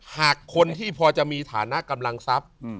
หากคนที่พอจะมีฐานะกำลังทรัพย์